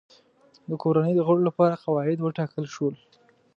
د کورنۍ د غړو لپاره قواعد وټاکل شول.